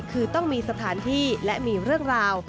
คือต้องมีสถานที่และมีเรื่องราว